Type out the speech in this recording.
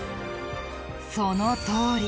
そのとおり。